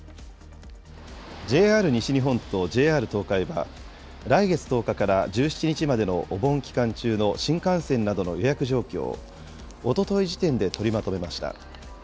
ＪＲ西日本とＪＲ東海は、来月１０日から１７日までのお盆期間中の新幹線などの予約状況をおととい時点で取りまとめました。